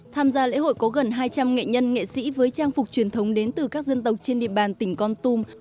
tham gia lễ hội có gần hai trăm linh nghệ nhân nghệ sĩ với trang phục truyền thống đến từ các dân tộc trên địa bàn tỉnh con tum